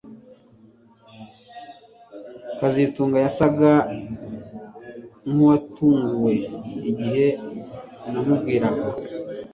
kazitunga yasaga nkuwatunguwe igihe namubwiraga